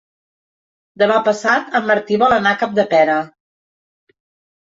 Demà passat en Martí vol anar a Capdepera.